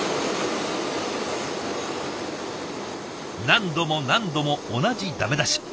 何度も何度も同じダメ出し。